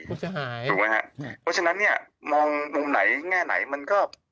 เพราะฉะนั้นเนี่ยมองมุมไหนแง่ไหนมันก็